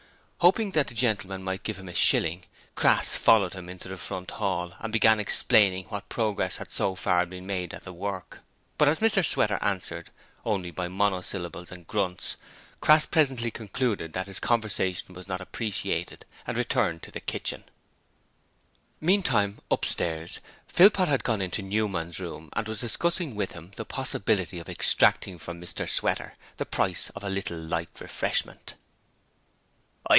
Hoping that the gentleman might give him a shilling, Crass followed him into the front hall and began explaining what progress had so far been made with the work, but as Mr Sweater answered only by monosyllables and grunts, Crass presently concluded that his conversation was not appreciated and returned to the kitchen. Meantime, upstairs, Philpot had gone into Newman's room and was discussing with him the possibility of extracting from Mr Sweater the price of a little light refreshment.